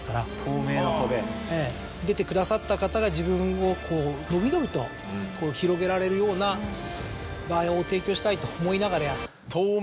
ええ。出てくださった方が自分をこう伸び伸びと広げられるような場を提供したいと思いながら。